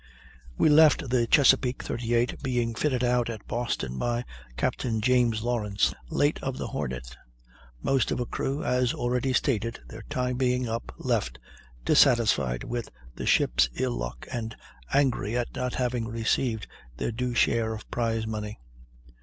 We left the Chesapeake, 38, being fitted out at Boston by Captain James Lawrence, late of the Hornet. Most of her crew, as already stated, their time being up, left, dissatisfied with the ship's ill luck, and angry at not having received their due share of prize money.